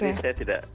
jadi saya tidak bisa